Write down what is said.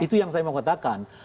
itu yang saya mau katakan